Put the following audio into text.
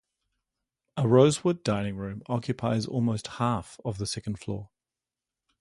A rosewood dining room occupies almost half of the second floor.